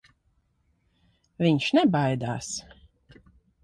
Viņš nebaidās.